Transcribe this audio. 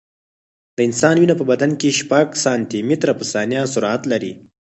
د انسان وینه په بدن کې شپږ سانتي متره په ثانیه سرعت لري.